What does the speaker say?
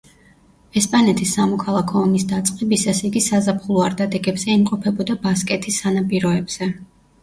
ესპანეთის სამოქალაქო ომის დაწყებისას, იგი საზაფხულო არდადეგებზე იმყოფებოდა ბასკეთის სანაპიროებზე.